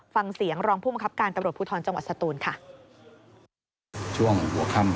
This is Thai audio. ฟังเสียงรองผู้บังคับการตำรวจภูทรจังหวัดสตูนค่ะ